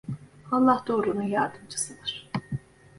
Allah doğrunun yardımcısıdır.